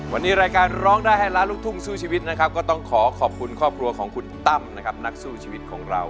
วันนี้รายการร้องได้ให้ล้านลูกทุ่งสู้ชีวิตนะครับก็ต้องขอขอบคุณครอบครัวของคุณตั้มนะครับนักสู้ชีวิตของเรา